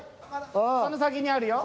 その先にあるよ。